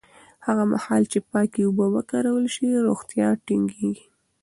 هغه مهال چې پاکې اوبه وکارول شي، روغتیا ټینګېږي.